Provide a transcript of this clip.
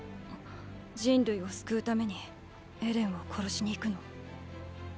人類を救うためにエレンを殺しに行くの？